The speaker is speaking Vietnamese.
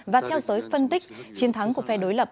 và theo giới phân tích chiến thắng của phe đối lập